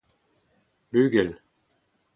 bugel